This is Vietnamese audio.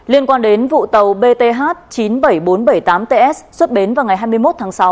liên quan đến vụ tàu bth chín mươi bảy nghìn bốn trăm bảy mươi tám ts xuất bến vào ngày hai mươi một tháng sáu